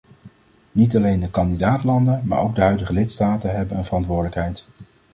Niet alleen de kandidaat-landen maar ook de huidige lidstaten hebben een verantwoordelijkheid.